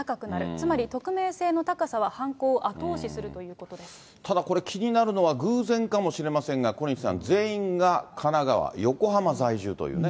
つまり、匿名性の高さは犯行を後ただこれ、気になるのは、偶然かもしれませんが、小西さん、全員が神奈川・横浜在住というね。